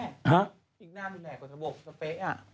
อีกนานอยู่ไหนก่อนทะบก